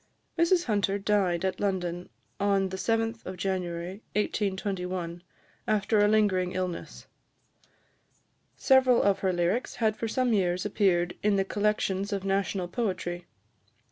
Mrs Hunter died at London, on the 7th January 1821, after a lingering illness. Several of her lyrics had for some years appeared in the collections of national poetry.